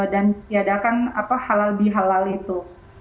dan ditiadakan halal bihalal itu